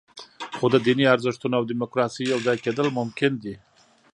خو د دیني ارزښتونو او دیموکراسۍ یوځای کېدل ممکن دي.